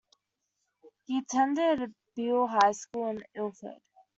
He attended Beal High School in Ilford.